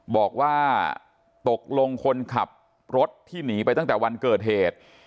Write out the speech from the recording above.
บอกว่าตกลงคนขับรถที่หนีไปตั้งแต่วันเกิดเหตุ